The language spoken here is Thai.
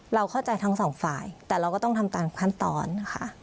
เราเข้าใจทั้งสองฝ่ายแต่เราก็ต้องทำตามขั้นตอนค่ะ